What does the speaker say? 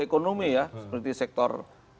ekonomi ya seperti sektor